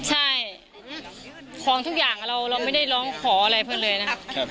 ใช่ของทุกอย่างเราไม่ได้ร้องขออะไรเพื่อนเลยนะครับ